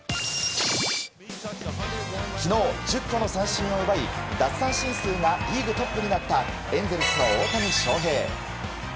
昨日、１０個の三振を奪い奪三振数がリーグトップになったエンゼルスの大谷翔平。